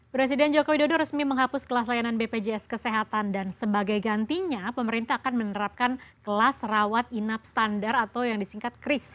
presiden joko widodo resmi menghapus kelas layanan bpjs kesehatan dan sebagai gantinya pemerintah akan menerapkan kelas rawat inap standar atau yang disingkat kris